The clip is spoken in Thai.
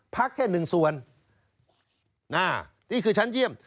พักแค่๑ส่วนนี่คือชั้นเยี่ยม